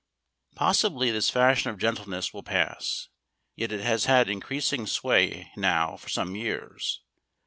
Possibly this fashion of gentleness will pass. Yet it has had increasing sway now for some years.